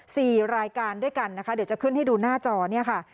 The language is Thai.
สี่รายการด้วยกันนะคะเดี๋ยวจะขึ้นให้ดูหน้าจอเนี่ยค่ะ